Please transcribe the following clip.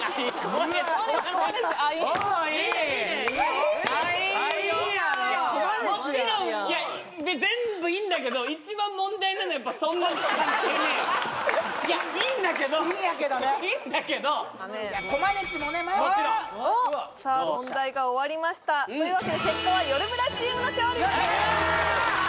もちろん全部いいんだけどいやいいんだけどいいんだけど問題が終わりましたというわけで結果はよるブラチームの勝利です！